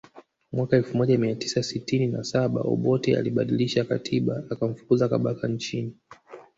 Mwaka elfu moja mia tisa sitini na saba Obote alibadilisha katiba akamfukuza Kabaka nchini